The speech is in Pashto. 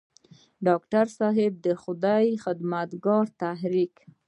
ډاکټر صېب د خدائ خدمتګار تحريک